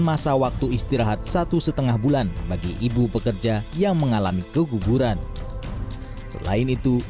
masa waktu istirahat satu setengah bulan bagi ibu pekerja yang mengalami keguguran selain itu